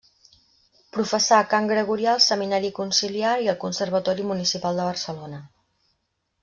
Professà cant gregorià al seminari conciliar i al Conservatori Municipal de Barcelona.